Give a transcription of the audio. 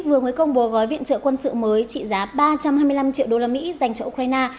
vừa mới công bố gói viện trợ quân sự mới trị giá ba trăm hai mươi năm triệu usd dành cho ukraine